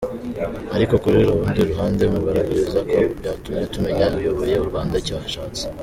Ariko ku rundi ruhande mugaragariza ko byatumye tumenya uyoboye uRwanda icyo ahatse.